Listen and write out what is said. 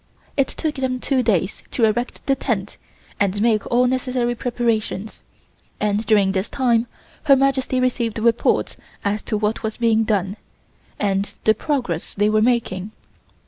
It took them two days to erect the tent and make all necessary preparations, and during this time Her Majesty received reports as to what was being done, and the progress they were making.